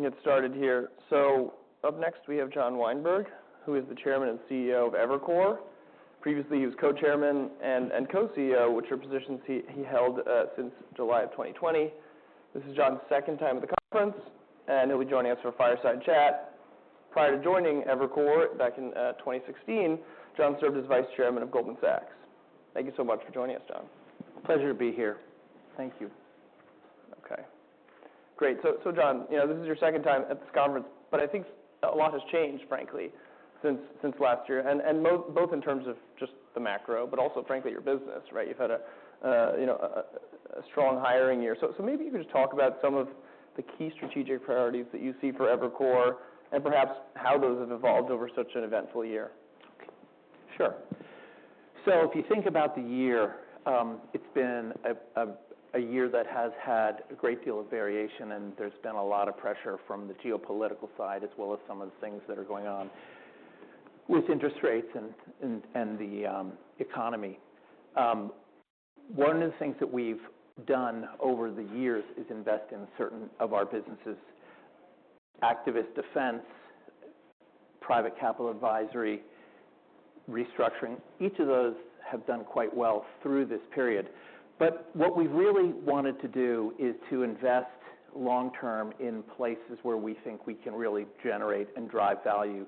Get started here. So up next, we have John Weinberg, who is the Chairman and CEO of Evercore. Previously, he was co-Chairman and co-CEO, which are positions he held since July of 2020. This is John's second time at the conference, and he'll be joining us for a fireside chat. Prior to joining Evercore back in 2016, John served as Vice Chairman of Goldman Sachs. Thank you so much for joining us, John. Pleasure to be here. Thank you. Okay, great. So, John, you know, this is your second time at this conference, but I think a lot has changed, frankly, since last year, and both in terms of just the macro, but also, frankly, your business, right? You've had a, you know, a strong hiring year. So, maybe you could just talk about some of the key strategic priorities that you see for Evercore, and perhaps how those have evolved over such an eventful year. Sure. So if you think about the year, it's been a year that has had a great deal of variation, and there's been a lot of pressure from the geopolitical side, as well as some of the things that are going on with interest rates and the economy. One of the things that we've done over the years is invest in certain of our businesses: Activist Defense, Private Capital Advisory, Restructuring. Each of those have done quite well through this period. But what we've really wanted to do is to invest long-term in places where we think we can really generate and drive value.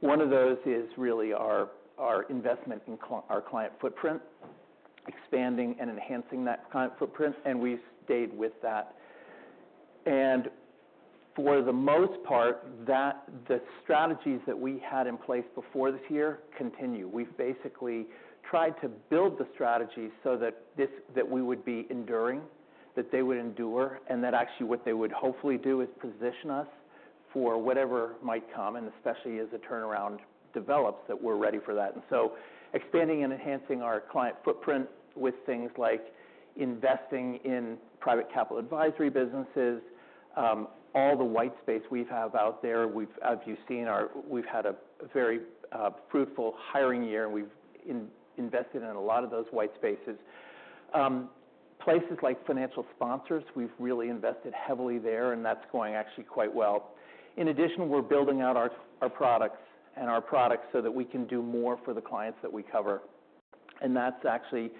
One of those is really our investment in our client footprint, expanding and enhancing that client footprint, and we've stayed with that. And for the most part, that the strategies that we had in place before this year continue. We've basically tried to build the strategy so that that we would be enduring, that they would endure, and that actually what they would hopefully do is position us for whatever might come, and especially as the turnaround develops, that we're ready for that. And so expanding and enhancing our client footprint with things like investing in Private Capital Advisory businesses, all the white space we have out there. As you've seen, we've had a very fruitful hiring year, and we've invested in a lot of those white spaces. Places like Financial Sponsors, we've really invested heavily there, and that's going actually quite well. In addition, we're building out our products so that we can do more for the clients that we cover, and that's actually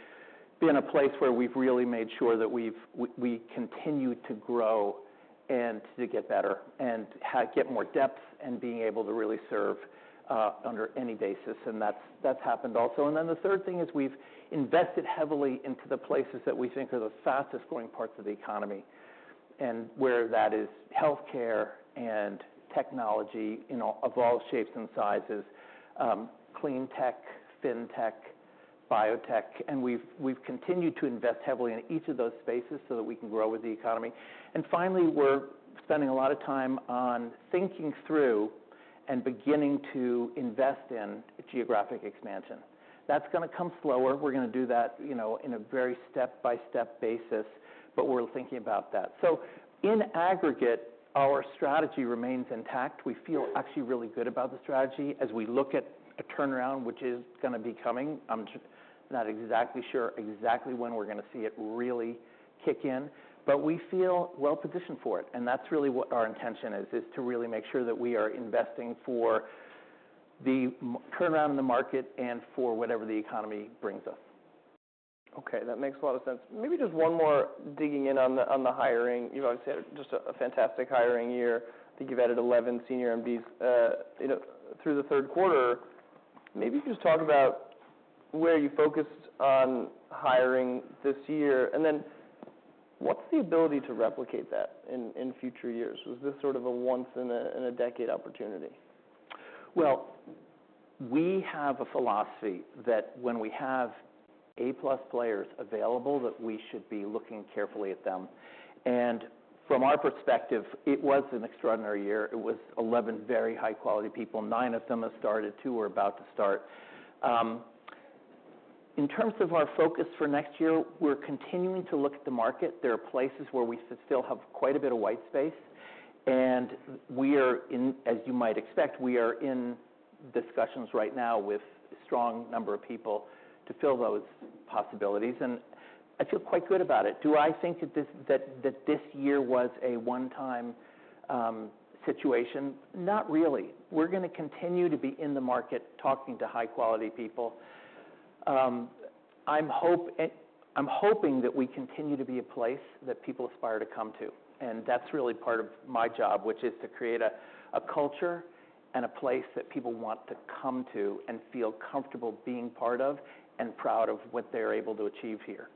been a place where we've really made sure that we continue to grow and to get better and get more depth and being able to really serve under any basis, and that's happened also. And then the third thing is we've invested heavily into the places that we think are the fastest-growing parts of the economy, and where that is healthcare and technology, in all shapes and sizes, clean tech, fintech, biotech, and we've continued to invest heavily in each of those spaces so that we can grow with the economy. And finally, we're spending a lot of time on thinking through and beginning to invest in geographic expansion. That's gonna come slower. We're gonna do that, you know, in a very step-by-step basis, but we're thinking about that. So in aggregate, our strategy remains intact. We feel actually really good about the strategy as we look at a turnaround, which is gonna be coming. I'm not exactly sure exactly when we're gonna see it really kick in, but we feel well positioned for it, and that's really what our intention is, is to really make sure that we are investing for the turnaround in the market and for whatever the economy brings us. Okay, that makes a lot of sense. Maybe just one more digging in on the hiring. You've obviously had just a fantastic hiring year. I think you've added 11 senior MBAs, you know, through the third quarter. Maybe you can just talk about where you focused on hiring this year, and then what's the ability to replicate that in future years? Was this sort of a once in a decade opportunity? Well, we have a philosophy that when we have A+ players available, that we should be looking carefully at them. From our perspective, it was an extraordinary year. It was 11 very high quality people, nine of them have started, two are about to start. In terms of our focus for next year, we're continuing to look at the market. There are places where we still have quite a bit of white space, and we are in... as you might expect, we are in discussions right now with a strong number of people to fill those possibilities, and I feel quite good about it. Do I think that this year was a one-time situation? Not really. We're gonna continue to be in the market, talking to high-quality people. I'm hoping that we continue to be a place that people aspire to come to, and that's really part of my job, which is to create a culture and a place that people want to come to and feel comfortable being part of, and proud of what they're able to achieve here.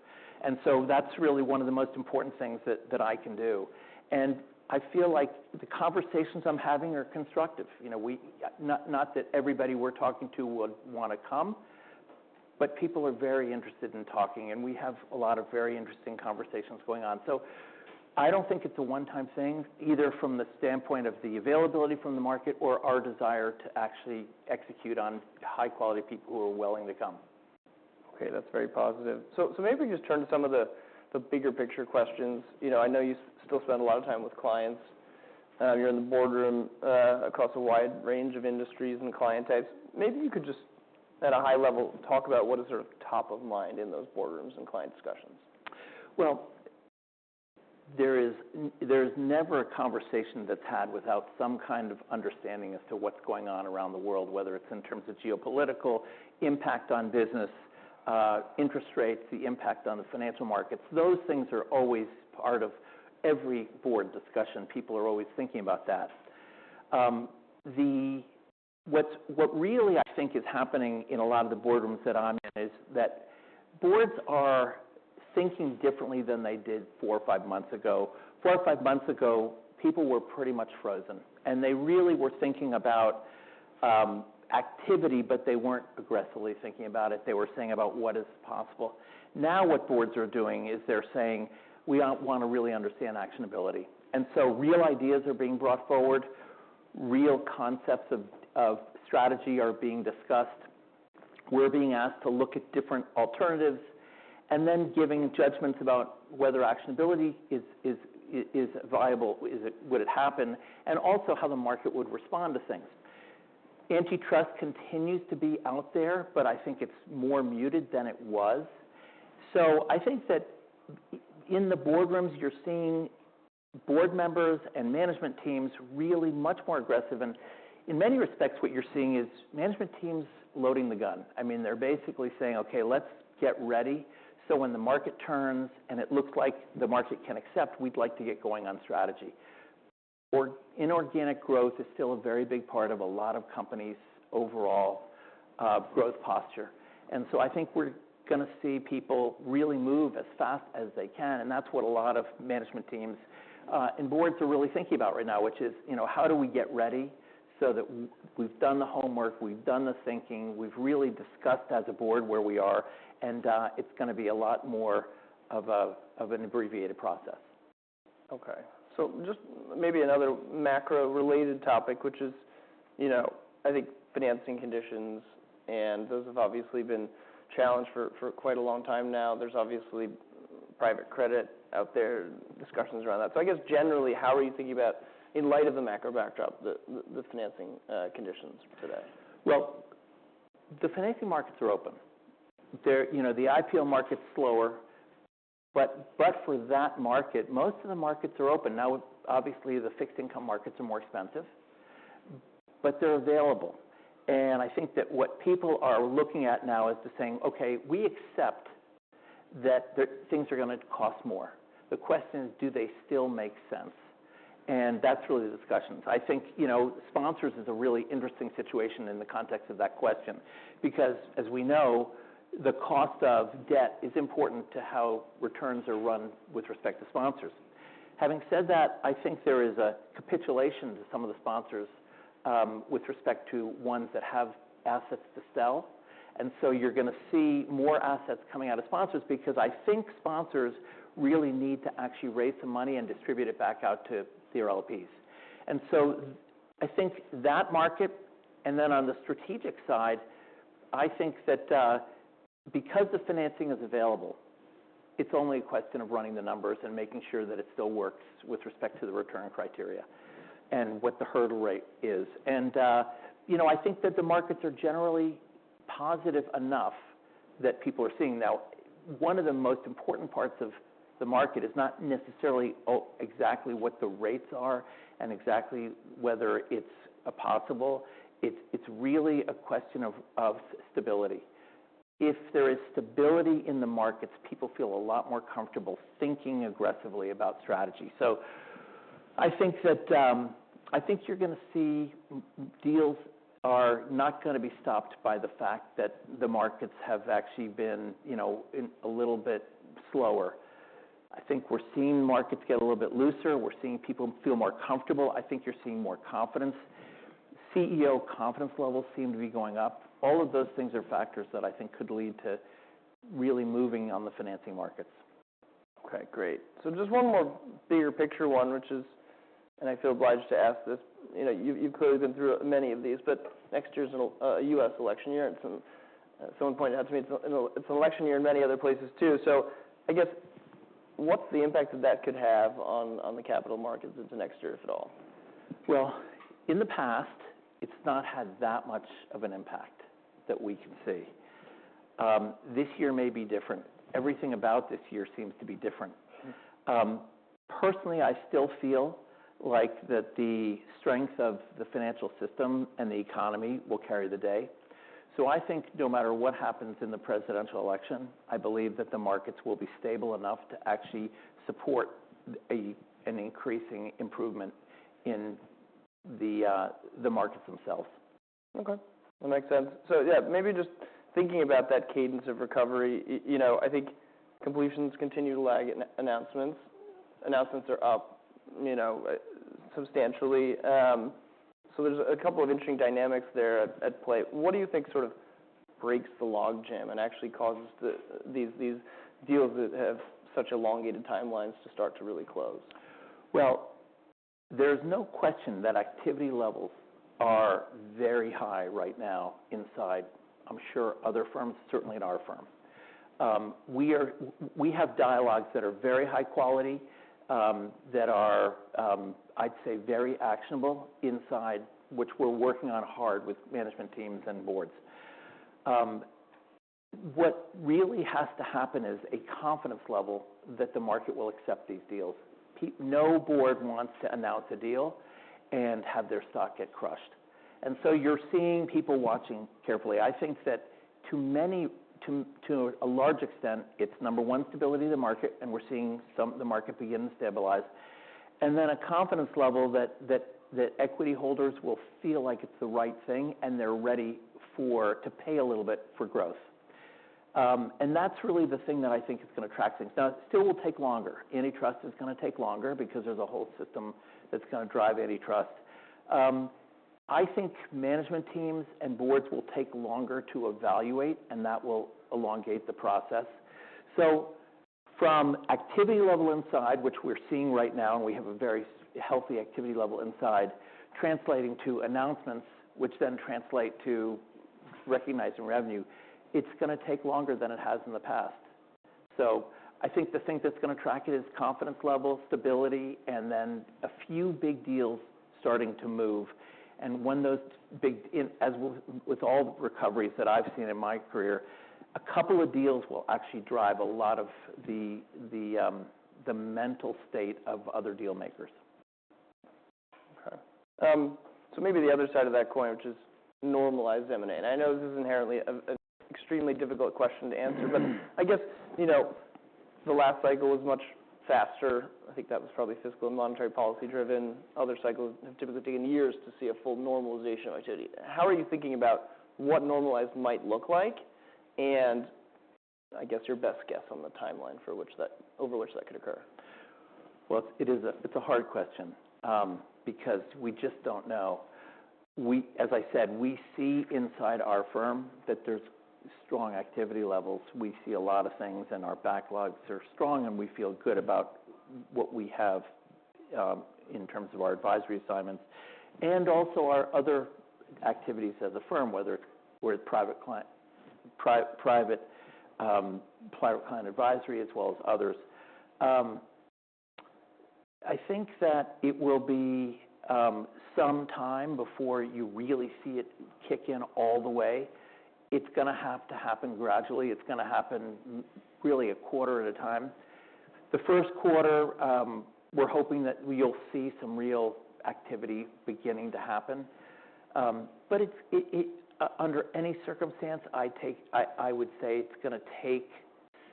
And so that's really one of the most important things that I can do. And I feel like the conversations I'm having are constructive. You know, not that everybody we're talking to would wanna come, but people are very interested in talking, and we have a lot of very interesting conversations going on. So I don't think it's a one-time thing, either from the standpoint of the availability from the market or our desire to actually execute on high-quality people who are willing to come. Okay, that's very positive. So, maybe just turn to some of the bigger picture questions. You know, I know you still spend a lot of time with clients, you're in the boardroom, across a wide range of industries and client types. Maybe you could just, at a high level, talk about what is sort of top of mind in those boardrooms and client discussions. Well, there's never a conversation that's had without some kind of understanding as to what's going on around the world, whether it's in terms of geopolitical impact on business, interest rates, the impact on the financial markets. Those things are always part of every board discussion. People are always thinking about that. What really I think is happening in a lot of the boardrooms that I'm in, is that boards are thinking differently than they did four or five months ago. Four or five months ago, people were pretty much frozen, and they really were thinking about activity, but they weren't aggressively thinking about it. They were thinking about what is possible. Now, what boards are doing is they're saying, "We want to really understand actionability." And so real ideas are being brought forward, real concepts of strategy are being discussed. We're being asked to look at different alternatives, and then giving judgments about whether actionability is viable, would it happen? And also how the market would respond to things. Antitrust continues to be out there, but I think it's more muted than it was. So I think that in the boardrooms, you're seeing board members and management teams really much more aggressive. And in many respects, what you're seeing is management teams loading the gun. I mean, they're basically saying: Okay, let's get ready, so when the market turns and it looks like the market can accept, we'd like to get going on strategy. Or inorganic growth is still a very big part of a lot of companies' overall growth posture. So I think we're gonna see people really move as fast as they can, and that's what a lot of management teams and boards are really thinking about right now, which is, you know, how do we get ready so that we've done the homework, we've done the thinking, we've really discussed as a board where we are, and it's gonna be a lot more of an abbreviated process. Okay. So just maybe another macro-related topic, which is, you know, I think financing conditions, and those have obviously been challenged for quite a long time now. There's obviously private credit out there, discussions around that. So I guess generally, how are you thinking about, in light of the macro backdrop, the financing conditions today? Well, the financing markets are open. They're, you know, the IPO market's slower, but, but for that market, most of the markets are open. Now, obviously, the fixed income markets are more expensive, but they're available. And I think that what people are looking at now is just saying, "Okay, we accept that the things are gonna cost more." The question is, do they still make sense? And that's really the discussions. I think, you know, sponsors is a really interesting situation in the context of that question, because as we know, the cost of debt is important to how returns are run with respect to sponsors. Having said that, I think there is a capitulation to some of the sponsors, with respect to ones that have assets to sell. And so you're gonna see more assets coming out of sponsors, because I think sponsors really need to actually raise some money and distribute it back out to their LPs. And so I think that market, and then on the strategic side, I think that, because the financing is available, it's only a question of running the numbers and making sure that it still works with respect to the return criteria and what the hurdle rate is. And, you know, I think that the markets are generally positive enough that people are seeing now. One of the most important parts of the market is not necessarily exactly what the rates are and exactly whether it's possible; it's really a question of stability. If there is stability in the markets, people feel a lot more comfortable thinking aggressively about strategy. So I think that I think you're gonna see deals are not gonna be stopped by the fact that the markets have actually been, you know, in a little bit slower. I think we're seeing markets get a little bit looser. We're seeing people feel more comfortable. I think you're seeing more confidence. CEO confidence levels seem to be going up. All of those things are factors that I think could lead to really moving on the financing markets. Okay, great. So just one more bigger picture, one which is, and I feel obliged to ask this, you know, you've, you've clearly been through many of these, but next year's a U.S. election year, and someone pointed out to me it's an election year in many other places, too. So I guess, what's the impact that that could have on, on the capital markets into next year, if at all? Well, in the past, it's not had that much of an impact that we can see. This year may be different. Everything about this year seems to be different. Personally, I still feel like that the strength of the financial system and the economy will carry the day. So I think no matter what happens in the presidential election, I believe that the markets will be stable enough to actually support an increasing improvement in the markets themselves. Okay, that makes sense. So yeah, maybe just thinking about that cadence of recovery, you know, I think completions continue to lag in announcements. Announcements are up, you know, substantially. So there's a couple of interesting dynamics there at play. What do you think sort of breaks the logjam and actually causes these deals that have such elongated timelines to start to really close? Well, there's no question that activity levels are very high right now inside, I'm sure other firms, certainly in our firm. We have dialogues that are very high quality, that are, I'd say, very actionable inside, which we're working on hard with management teams and boards. What really has to happen is a confidence level that the market will accept these deals. No board wants to announce a deal and have their stock get crushed, and so you're seeing people watching carefully. I think that to many, to a large extent, it's number one, stability of the market, and we're seeing some of the market begin to stabilize. And then a confidence level that equity holders will feel like it's the right thing, and they're ready to pay a little bit for growth. That's really the thing that I think is gonna track things. Now, it still will take longer. Antitrust is gonna take longer because there's a whole system that's gonna drive antitrust. I think management teams and boards will take longer to evaluate, and that will elongate the process. So from activity level inside, which we're seeing right now, and we have a very healthy activity level inside, translating to announcements, which then translate to recognizing revenue, it's gonna take longer than it has in the past. So I think the thing that's gonna track it is confidence level, stability, and then a few big deals starting to move. And when those big... In, as with, with all recoveries that I've seen in my career, a couple of deals will actually drive a lot of the mental state of other deal makers. Okay. So maybe the other side of that coin, which is normalized M&A. I know this is inherently an extremely difficult question to answer but I guess, you know, the last cycle was much faster. I think that was probably fiscal and monetary policy driven. Other cycles have typically taken years to see a full normalization of activity. How are you thinking about what normalized might look like, and I guess, your best guess on the timeline for which that over which that could occur? Well, it is a, it's a hard question, because we just don't know. We as I said, we see inside our firm that there's strong activity levels. We see a lot of things, and our backlogs are strong, and we feel good about what we have, in terms of our advisory assignments and also our other activities as a firm, whether we're at private client, private, private client advisory, as well as others. I think that it will be, some time before you really see it kick in all the way. It's gonna have to happen gradually. It's gonna happen really a quarter at a time. The first quarter, we're hoping that we'll see some real activity beginning to happen. But it's, it, under any circumstance, I would say it's gonna take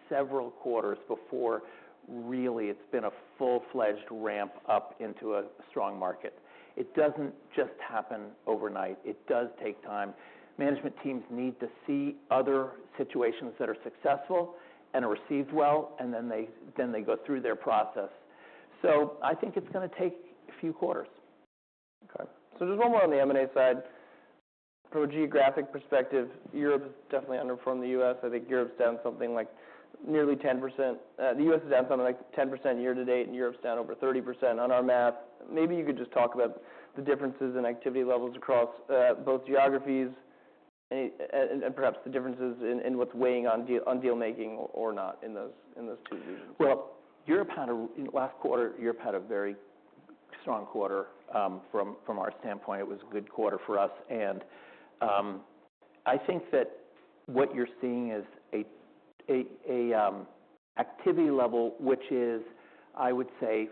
several quarters before really it's been a full-fledged ramp up into a strong market. It doesn't just happen overnight. It does take time. Management teams need to see other situations that are successful and are received well, and then they go through their process. So I think it's gonna take a few quarters. Okay, so there's one more on the M&A side. From a geographic perspective, Europe is definitely underperformed the US. I think Europe's down something like nearly 10%. The US is down something like 10% year to date, and Europe's down over 30% on our math. Maybe you could just talk about the differences in activity levels across both geographies and perhaps the differences in what's weighing on deal making or not in those two regions. Well, Europe had a very strong quarter from our standpoint. It was a good quarter for us, and I think that what you're seeing is an activity level, which is, I would say,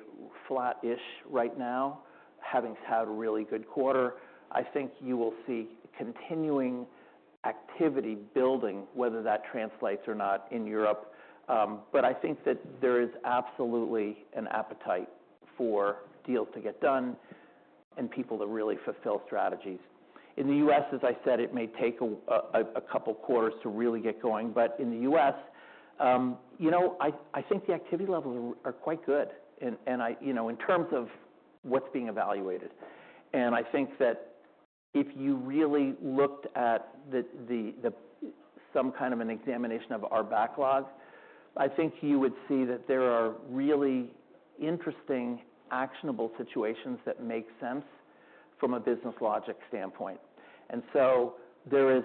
flat-ish right now, having had a really good quarter. I think you will see continuing activity building, whether that translates or not in Europe. But I think that there is absolutely an appetite for deals to get done and people to really fulfill strategies. In the US, as I said, it may take a couple quarters to really get going, but in the US, you know, I think the activity levels are quite good and I... You know, in terms of what's being evaluated. And I think that if you really looked at the some kind of an examination of our backlog, I think you would see that there are really interesting, actionable situations that make sense from a business logic standpoint. And so there's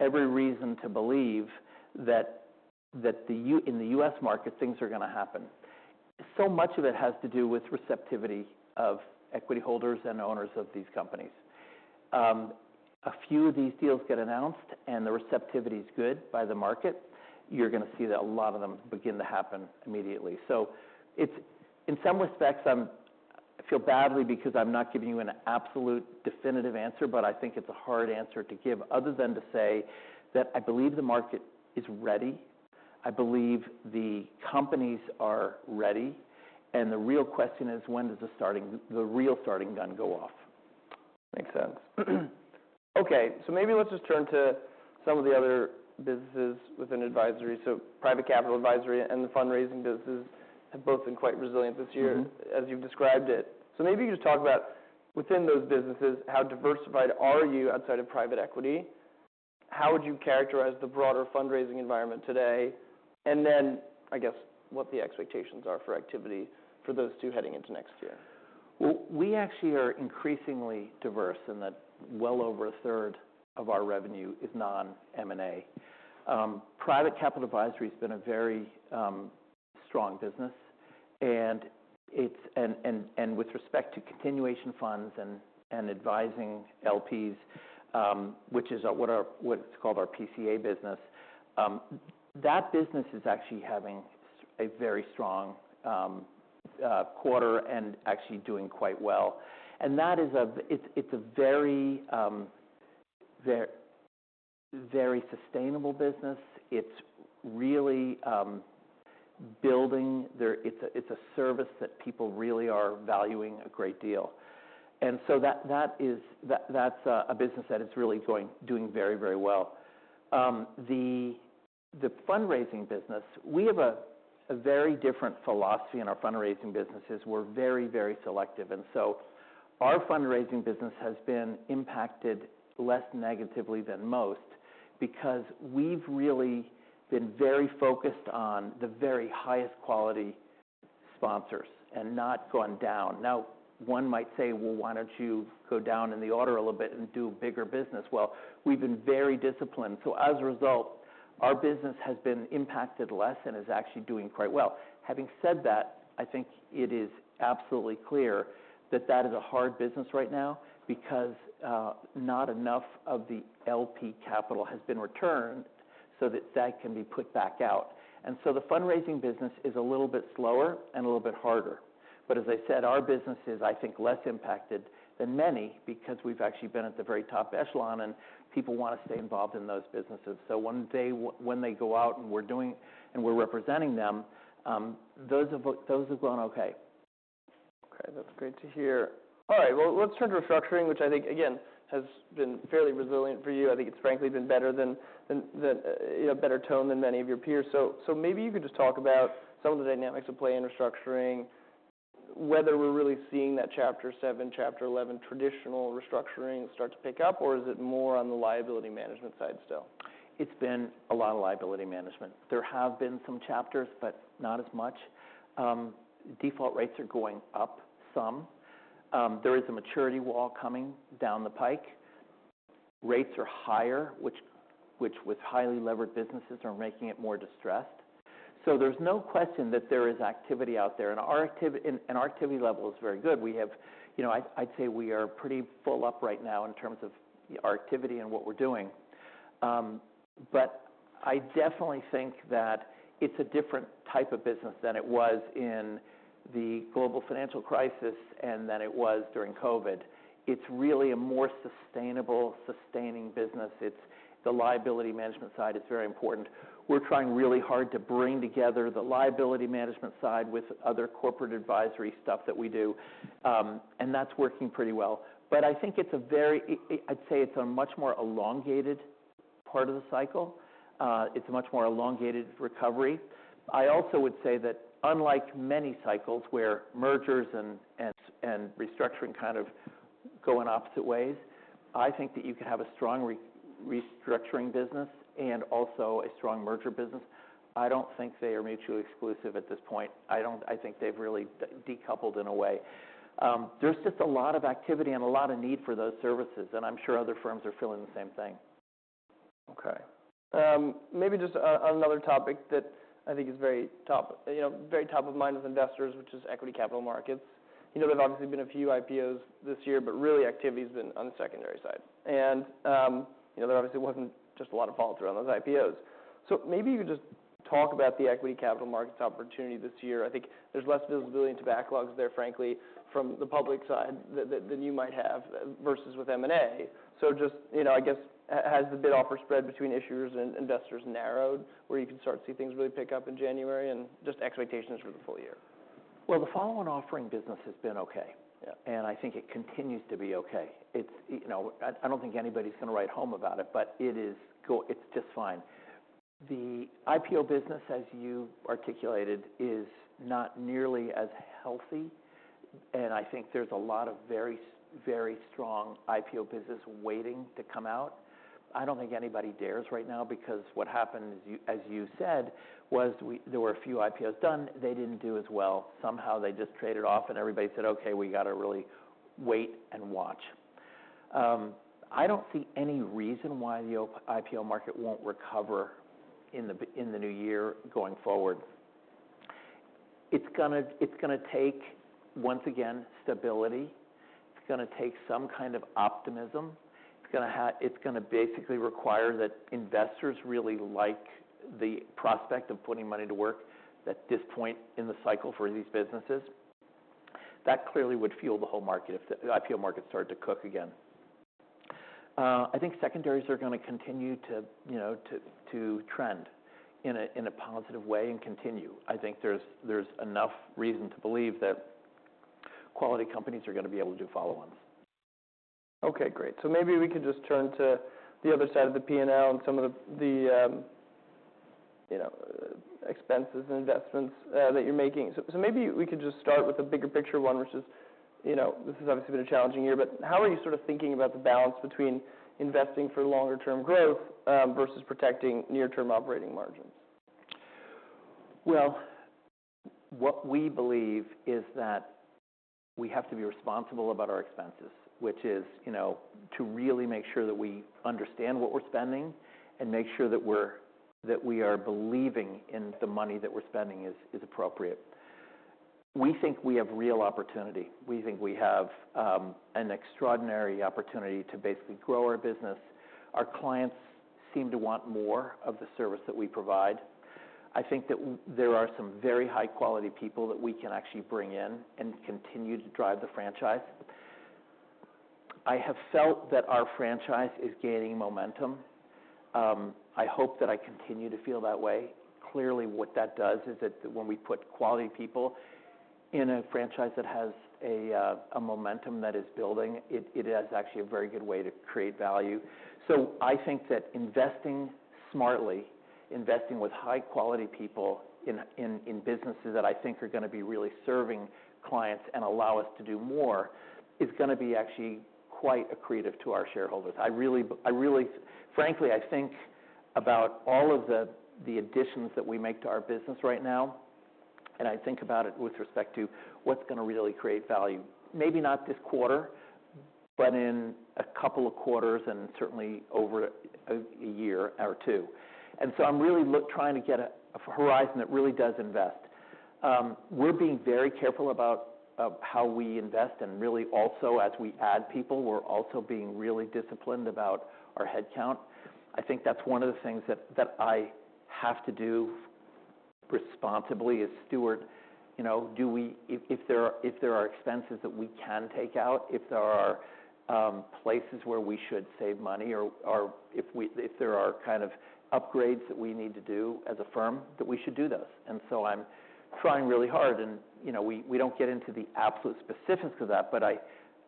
every reason to believe that the U.S. market, things are gonna happen. So much of it has to do with receptivity of equity holders and owners of these companies. A few of these deals get announced, and the receptivity is good by the market, you're gonna see that a lot of them begin to happen immediately. So it's, in some respects, I feel badly because I'm not giving you an absolute definitive answer, but I think it's a hard answer to give other than to say that I believe the market is ready, I believe the companies are ready, and the real question is: When does the real starting gun go off? Makes sense. Okay, maybe let's just turn to some of the other businesses within advisory. Private Capital Advisory and the fundraising businesses have both been quite resilient this year- Mm-hmm. -as you've described it. So maybe you just talk about, within those businesses, how diversified are you outside of private equity? How would you characterize the broader fundraising environment today? And then, I guess, what the expectations are for activity for those two heading into next year. Well, we actually are increasingly diverse in that well over a third of our revenue is non-M&A. Private Capital Advisory has been a very strong business, and with respect to continuation funds and advising LPs, which is what's called our PCA business. That business is actually having a very strong quarter and actually doing quite well. And that is it's a very very sustainable business. It's really building. It's a service that people really are valuing a great deal. And so that is, that's a business that is really doing very, very well. The fundraising business, we have a very different philosophy in our fundraising businesses. We're very, very selective, and so our fundraising business has been impacted less negatively than most because we've really been very focused on the very highest quality sponsors and not gone down. Now, one might say: "Well, why don't you go down in the order a little bit and do bigger business?" Well, we've been very disciplined. So as a result, our business has been impacted less and is actually doing quite well. Having said that, I think it is absolutely clear that that is a hard business right now, because not enough of the LP capital has been returned so that that can be put back out. And so the fundraising business is a little bit slower and a little bit harder. But as I said, our business is, I think, less impacted than many because we've actually been at the very top echelon, and people want to stay involved in those businesses. So one day, when they go out and we're doing. And we're representing them, those have, those have gone okay. Okay, that's great to hear. All right, well, let's turn to restructuring, which I think, again, has been fairly resilient for you. I think it's frankly been better than, than in a better tone than many of your peers. So, so maybe you could just talk about some of the dynamics at play in restructuring, whether we're really seeing that Chapter Seven, Chapter 11 traditional restructuring start to pick up, or is it more on the liability management side still? It's been a lot of liability management. There have been some chapters, but not as much. Default rates are going up some. There is a maturity wall coming down the pike. Rates are higher, which with highly levered businesses, are making it more distressed. So there's no question that there is activity out there, and our activity level is very good. You know, I'd say we are pretty full up right now in terms of our activity and what we're doing. But I definitely think that it's a different type of business than it was in the global financial crisis and than it was during COVID. It's really a more sustainable, sustaining business. It's the liability management side is very important. We're trying really hard to bring together the liability management side with other corporate advisory stuff that we do, and that's working pretty well. But I think it's a very... I'd say it's a much more elongated part of the cycle. It's a much more elongated recovery. I also would say that unlike many cycles, where mergers and restructuring kind of go in opposite ways, I think that you can have a strong restructuring business and also a strong merger business. I don't think they are mutually exclusive at this point. I think they've really decoupled in a way. There's just a lot of activity and a lot of need for those services, and I'm sure other firms are feeling the same thing. Okay. Maybe just another topic that I think is very top of mind as investors, which is equity capital markets. You know, there's obviously been a few IPOs this year, but really activity has been on the secondary side. And you know, there obviously wasn't just a lot of follow-through on those IPOs. So maybe you could just talk about the equity capital markets opportunity this year. I think there's less visibility into backlogs there, frankly, from the public side that you might have, versus with M&A. So just, you know, I guess, has the bid-offer spread between issuers and investors narrowed, where you can start to see things really pick up in January, and just expectations for the full year? Well, the follow-on offering business has been okay. Yeah. And I think it continues to be okay. It's, you know, I, I don't think anybody's going to write home about it, but it is, it's just fine. The IPO business, as you articulated, is not nearly as healthy, and I think there's a lot of very strong IPO business waiting to come out. I don't think anybody dares right now, because what happened is, as you said, there were a few IPOs done. They didn't do as well. Somehow, they just traded off, and everybody said: "Okay, we got to really wait and watch." I don't see any reason why the IPO market won't recover in the new year, going forward. It's gonna, it's gonna take, once again, stability. It's gonna take some kind of optimism. It's gonna basically require that investors really like the prospect of putting money to work at this point in the cycle for these businesses. That clearly would fuel the whole market if the IPO market started to cook again. I think secondaries are gonna continue to, you know, trend in a positive way and continue. I think there's enough reason to believe that quality companies are gonna be able to do follow-ons. Okay, great. So maybe we could just turn to the other side of the P&L and some of the, you know, expenses and investments that you're making. So maybe we could just start with the bigger picture one, which is, you know, this has obviously been a challenging year, but how are you sort of thinking about the balance between investing for longer term growth versus protecting near-term operating margins? Well, what we believe is that we have to be responsible about our expenses, which is, you know, to really make sure that we understand what we're spending and make sure that we are believing in the money that we're spending is appropriate. We think we have real opportunity. We think we have an extraordinary opportunity to basically grow our business. Our clients seem to want more of the service that we provide. I think that there are some very high-quality people that we can actually bring in and continue to drive the franchise. I have felt that our franchise is gaining momentum. I hope that I continue to feel that way. Clearly, what that does is that when we put quality people in a franchise that has a momentum that is building, it is actually a very good way to create value. So I think that investing smartly, investing with high-quality people in businesses that I think are gonna be really serving clients and allow us to do more, is gonna be actually quite accretive to our shareholders. Frankly, I think about all of the additions that we make to our business right now, and I think about it with respect to what's gonna really create value. Maybe not this quarter, but in a couple of quarters and certainly over a year or two. And so I'm really trying to get a horizon that really does invest. We're being very careful about how we invest, and really also as we add people, we're also being really disciplined about our headcount. I think that's one of the things that I have to do responsibly as steward. You know, do we, if there are expenses that we can take out, if there are places where we should save money or if we, if there are kind of upgrades that we need to do as a firm, that we should do those. And so I'm trying really hard, and, you know, we, we don't get into the absolute specifics of that, but I,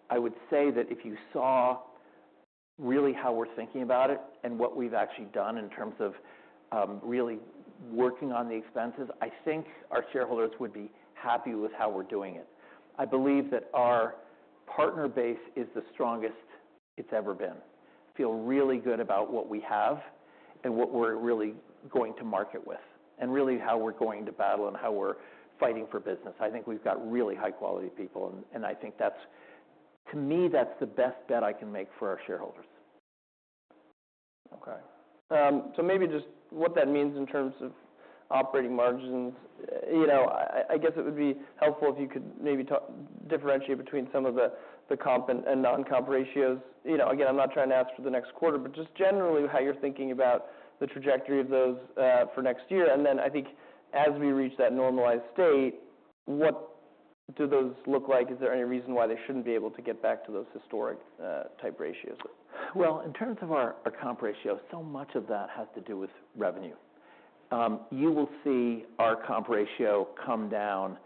I would say that if you saw really how we're thinking about it and what we've actually done in terms of, really working on the expenses, I think our shareholders would be happy with how we're doing it. I believe that our partner base is the strongest it's ever been. Feel really good about what we have and what we're really going to market with, and really how we're going to battle and how we're fighting for business. I think we've got really high-quality people, and, and I think that's... To me, that's the best bet I can make for our shareholders. Okay. So maybe just what that means in terms of operating margins. You know, I guess it would be helpful if you could maybe talk differentiate between some of the comp and non-comp ratios. You know, again, I'm not trying to ask for the next quarter, but just generally how you're thinking about the trajectory of those for next year. And then I think as we reach that normalized state, what do those look like? Is there any reason why they shouldn't be able to get back to those historic type ratios? Well, in terms of our comp ratio, so much of that has to do with revenue. You will see our comp ratio come down,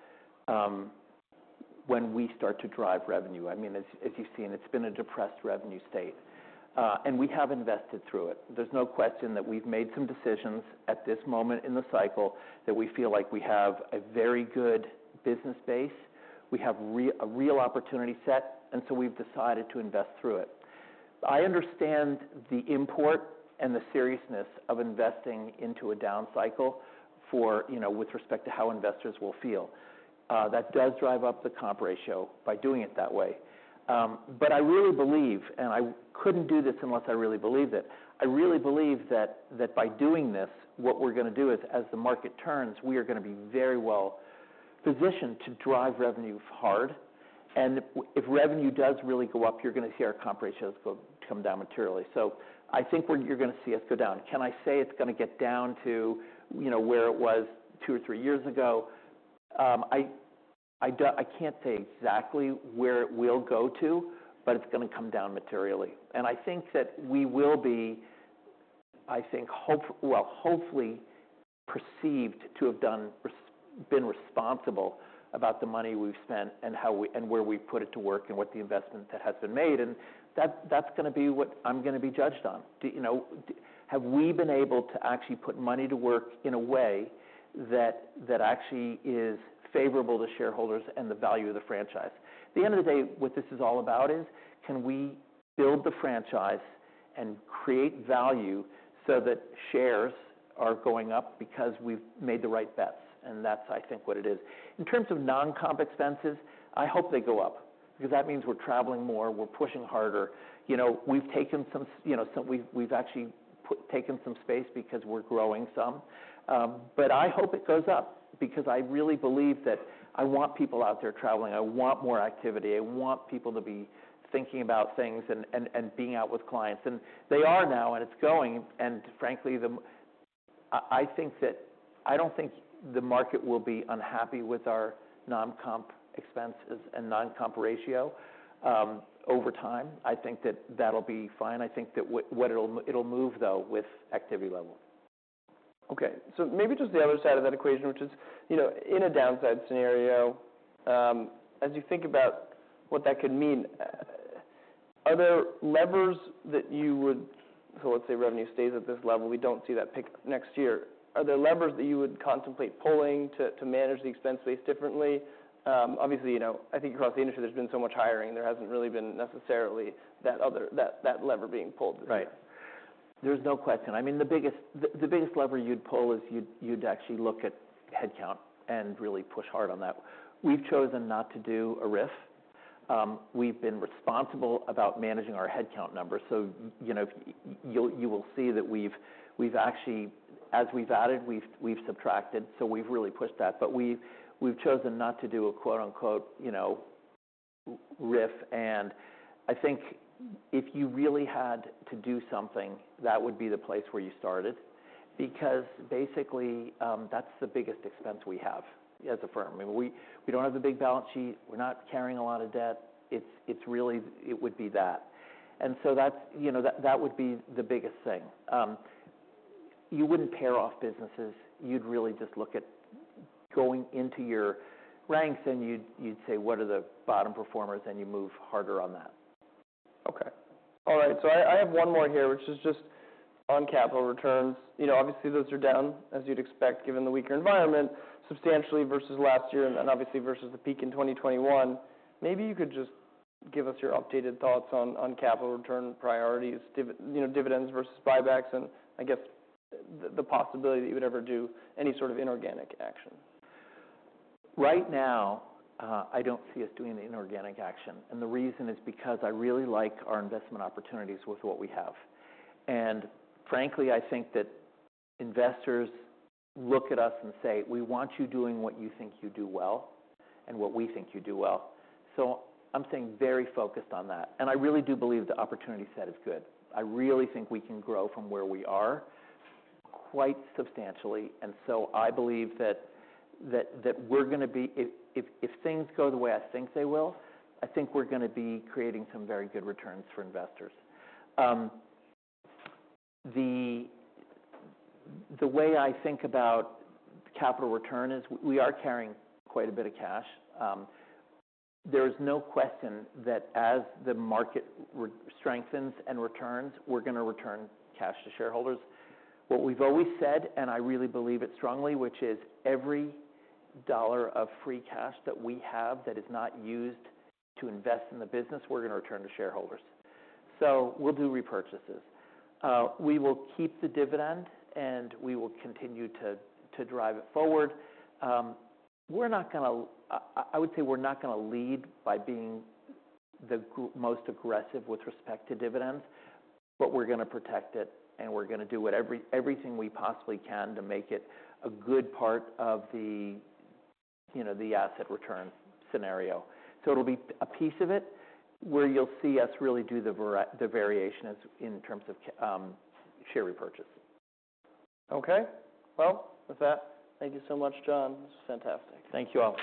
when we start to drive revenue. I mean, as you've seen, it's been a depressed revenue state, and we have invested through it. There's no question that we've made some decisions at this moment in the cycle, that we feel like we have a very good business base. We have a real opportunity set, and so we've decided to invest through it. I understand the import and the seriousness of investing into a down cycle for, you know, with respect to how investors will feel. That does drive up the comp ratio by doing it that way. But I really believe, and I couldn't do this unless I really believed it. I really believe that by doing this, what we're gonna do is, as the market turns, we are gonna be very well positioned to drive revenue hard. And if revenue does really go up, you're gonna see our comp ratios come down materially. So I think you're gonna see us go down. Can I say it's gonna get down to, you know, where it was two or three years ago? I can't say exactly where it will go to, but it's gonna come down materially. And I think that we will be, I think, well, hopefully perceived to have been responsible about the money we've spent and how and where we've put it to work, and what the investment that has been made, and that's, that's gonna be what I'm gonna be judged on. Do you know, have we been able to actually put money to work in a way that, that actually is favorable to shareholders and the value of the franchise? At the end of the day, what this is all about is, can we build the franchise and create value so that shares are going up because we've made the right bets, and that's, I think, what it is. In terms of non-comp expenses, I hope they go up because that means we're traveling more, we're pushing harder. You know, we've taken some you know, we've actually taken some space because we're growing some. But I hope it goes up because I really believe that I want people out there traveling. I want more activity. I want people to be thinking about things and being out with clients, and they are now, and it's going. Frankly, I don't think the market will be unhappy with our non-comp expenses and non-comp ratio. Over time, I think that that'll be fine. I think that it'll move, though, with activity level. Okay, so maybe just the other side of that equation, which is, you know, in a downside scenario, as you think about what that could mean, are there levers that you would... So let's say revenue stays at this level. We don't see that pick up next year. Are there levers that you would contemplate pulling to manage the expense base differently? Obviously, you know, I think across the industry, there's been so much hiring. There hasn't really been necessarily that other lever being pulled. Right. There's no question. I mean, the biggest lever you'd pull is you'd actually look at headcount and really push hard on that. We've chosen not to do a RIF. We've been responsible about managing our headcount numbers, so you know, you will see that we've actually as we've added, we've subtracted, so we've really pushed that. But we've chosen not to do a quote-unquote, you know, RIF, and I think if you really had to do something, that would be the place where you started. Because basically, that's the biggest expense we have as a firm. I mean, we don't have the big balance sheet. We're not carrying a lot of debt. It's really it would be that. And so that's, you know, that would be the biggest thing. You wouldn't pair off businesses. You'd really just look at going into your ranks, and you'd say, "What are the bottom performers?" And you move harder on that. Okay. All right, so I, I have one more here, which is just on capital returns. You know, obviously, those are down, as you'd expect, given the weaker environment, substantially versus last year and, and obviously versus the peak in 2021. Maybe you could just give us your updated thoughts on, on capital return priorities, divi, dividends versus buybacks, and I guess the, the possibility that you would ever do any sort of inorganic action. Right now, I don't see us doing the inorganic action, and the reason is because I really like our investment opportunities with what we have. And frankly, I think that investors look at us and say, "We want you doing what you think you do well and what we think you do well." So I'm staying very focused on that, and I really do believe the opportunity set is good. I really think we can grow from where we are, quite substantially, and so I believe that we're gonna be if things go the way I think they will, I think we're gonna be creating some very good returns for investors. The way I think about capital return is we are carrying quite a bit of cash. There's no question that as the market strengthens and returns, we're gonna return cash to shareholders. What we've always said, and I really believe it strongly, which is every dollar of free cash that we have that is not used to invest in the business, we're gonna return to shareholders. So we'll do repurchases. We will keep the dividend, and we will continue to drive it forward. We're not gonna lead by being the most aggressive with respect to dividends, but we're gonna protect it, and we're gonna do everything we possibly can to make it a good part of the, you know, the asset return scenario. So it'll be a piece of it, where you'll see us really do the variation as in terms of share repurchase. Okay. Well, with that, thank you so much, John. This was fantastic. Thank you all.